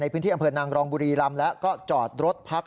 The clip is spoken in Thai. พื้นที่อำเภอนางรองบุรีรำแล้วก็จอดรถพัก